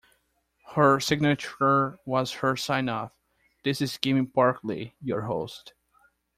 Her signature was her sign off: This is Gimmy Park Li, your host.